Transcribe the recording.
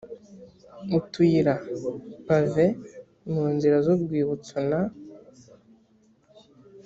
utuyira paves mu nzira z urwibutso na